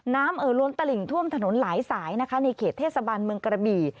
เอ่อล้นตลิ่งท่วมถนนหลายสายนะคะในเขตเทศบาลเมืองกระบี่